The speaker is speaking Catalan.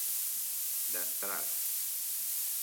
D'entrada.